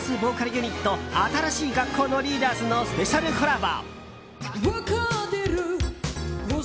ユニット新しい学校のリーダーズのスペシャルコラボ。